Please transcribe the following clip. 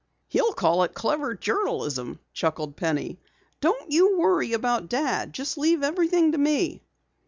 "He'll call it clever journalism," chuckled Penny. "Don't you worry about Dad. Just leave everything to me."